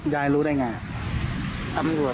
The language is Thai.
หายมานานแล้ว